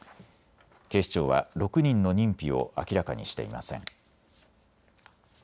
警視庁は６人の認否を明らかにしていません。